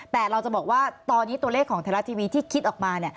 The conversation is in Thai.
แต่เราจะบอกว่าตอนนี้ตัวเลขของไทยรัฐทีวีที่คิดออกมา